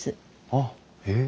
あっへえ。